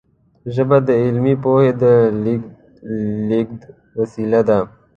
ژبه د علمي پوهې د لېږد وسیله وه.